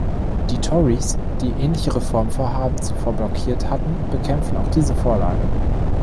Die Tories, die ähnliche Reformvorhaben zuvor blockiert hatten, bekämpften auch diese Vorlage.